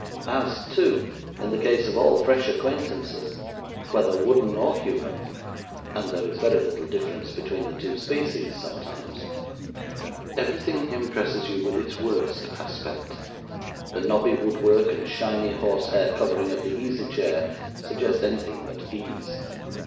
As, too, in the case of all fresh acquaintances, whether wooden or human (and there is very little difference between the two species sometimes), everything impresses you with its worst aspect. The knobby wood work and shiny horse hair covering of the easy chair suggest anything but ease.